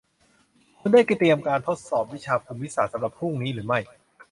คุณได้เตรียมการทดสอบวิชาภูมิศาสตร์สำหรับพรุ่งนี้หรือไม่